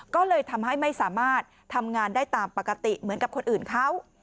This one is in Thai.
ก็เลยทำให้ไม่สามารถทำงานได้ตามปกติเหมือนกับคนอื่นเขา